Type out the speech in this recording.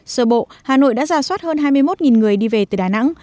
sở bộ hà nội đã ra soát hơn hai mươi một người đi về từ đà nẵng